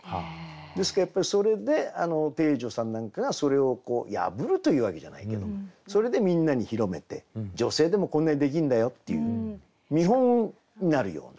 ですからやっぱりそれで汀女さんなんかがそれを破るというわけじゃないけどそれでみんなに広めて女性でもこんなにできんだよっていう見本になるような。